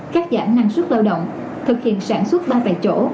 cắt giảm năng suất lao động thực hiện sản xuất ba tại chỗ